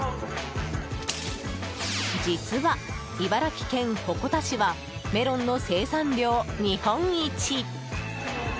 実は茨城県鉾田市はメロンの生産量日本一。